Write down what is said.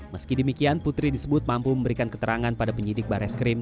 meski demikian putri disebut mampu memberikan keterangan pada penyidik bareskrim